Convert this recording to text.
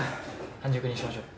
半熟にしましょう。